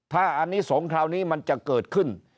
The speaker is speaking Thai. ถ้าอันนี้สงคราวนี้มันจะเกิดขึ้น